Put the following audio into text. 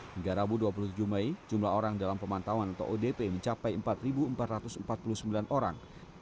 hingga rabu dua puluh tujuh mei jumlah orang dalam pemantauan atau odp mencapai empat empat ratus empat puluh sembilan orang